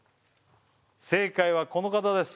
正解はこの方です